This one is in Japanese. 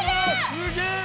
すげえよ。